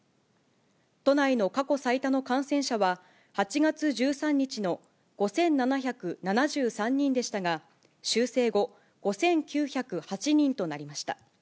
都内の過去最多の感染者は、８月１３日の５７７３人でしたが、修正後５９０８人となりました。